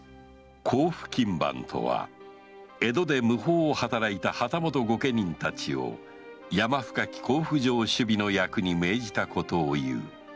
甲府勤番とは江戸で無法を働いた旗本・御家人たちを山深き甲府城守備の役に命じたことをいう